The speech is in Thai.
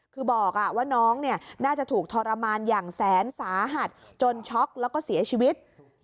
คือบอกว่าน้องน่าจะถูกทรมานอย่างแสนสาหัสจนช็อกแล้วก็เสียชีวิต